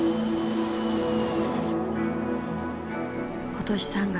今年３月。